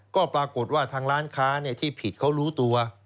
ก็ปรากฏว่าทางร้านค้าที่ผิดเขารู้ตัว